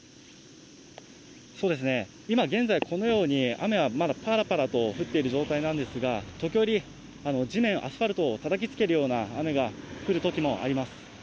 そうですね、今現在、このように雨はまだぱらぱらと降っている状態なんですが、時折、地面、アスファルトをたたきつけるような雨が降るときもあります。